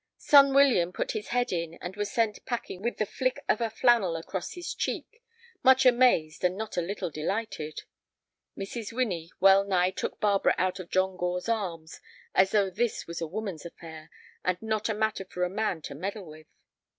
Son William put his head in, and was sent packing with the flick of a flannel across his cheek, much amazed and not a little delighted. Mrs. Winnie wellnigh took Barbara out of John Gore's arms, as though this was a woman's affair, and not a matter for a man to meddle with.